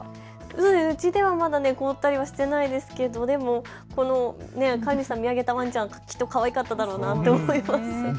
うちではまだ凍ったりはしてないですけど、でも飼い主さんを見上げたワンちゃん、きっとかわいかっただろうなと思います。